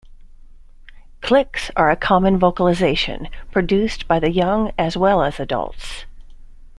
'Click's are a common vocalization, produced by the young as well as adults.